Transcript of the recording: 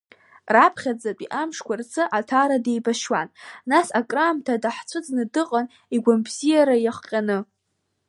Раԥхьатәи амшқәа рзы Аҭара деибашьуан, нас акраамҭа даҳцәыӡны дыҟан игәамбзиара иахҟьаны.